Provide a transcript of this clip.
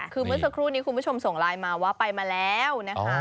คือเมื่อสักครู่นี้คุณผู้ชมส่งไลน์มาว่าไปมาแล้วนะคะ